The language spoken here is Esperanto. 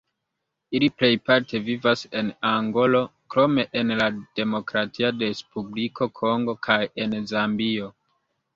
Ili plejparte vivas en Angolo, krome en la Demokratia Respubliko Kongo kaj en Zambio.